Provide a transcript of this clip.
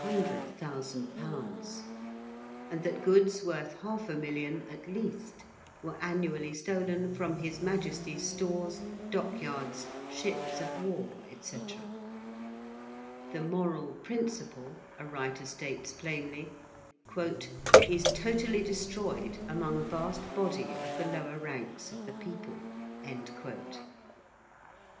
_: and that goods worth half a million at least were annually stolen from His Majesty's stores, dockyards, ships of war, &c. The moral principle, a writer states plainly, 'is totally destroyed among a vast body of the lower ranks of the people.'